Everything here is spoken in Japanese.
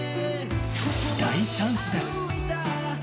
大チャンスです。